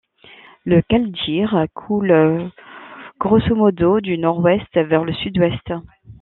Le Kaldjir coule grosso modo du nord-est vers le sud-ouest.